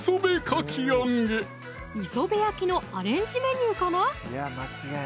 磯辺焼きのアレンジメニューかな？